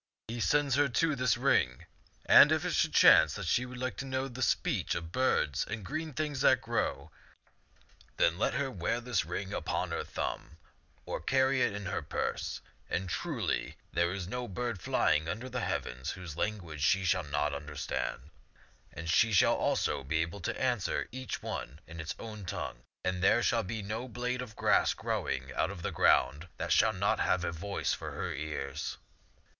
" He sends her, too, this ring ; and if it should chance that she would like to know the speech of birds and green things that grow, then let her wear this ring upon her thumb or carry it in her purse, and, truly, there is no bird flying under the heav ens whose language she shall not understand ; and she shall also be able to answer each one in its own tongue. And there shall not be a blade of grass grow ing out of the ground that shall not have a voice for her ears.